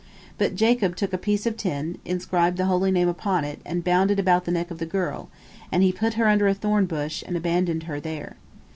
But Jacob took a piece of tin, inscribed the Holy Name upon it, and bound it about the neck of the girl, and he put her under a thornbush, and abandoned her there.